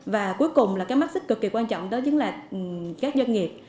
và cuối cùng là cái mắc xích cực kỳ quan trọng đó chính là các doanh nghiệp